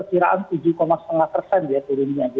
jadi ini mengindikasikan adanya perlambatan ekonomi dalam negeri gitu ya